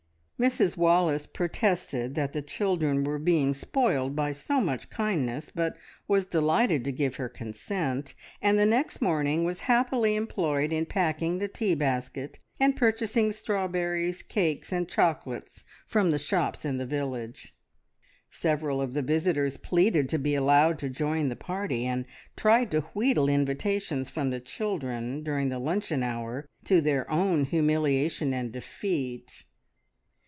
Mrs Wallace protested that the children were being spoiled by so much kindness, but was delighted to give her consent, and the next morning was happily employed in packing the tea basket, and purchasing strawberries, cakes, and chocolates from the shops in the village. Several of the visitors pleaded to be allowed to join the party, and tried to wheedle invitations from the children during the luncheon hour, to their own humiliation and defeat.